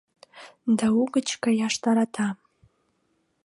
Да угыч каяш тарата.